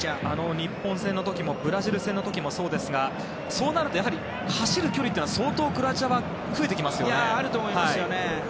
日本戦の時もブラジル戦もそうですがそうなると走る距離は相当クロアチアはあると思いますよね。